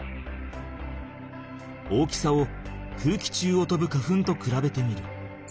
大きさを空気中をとぶ花粉とくらべてみる。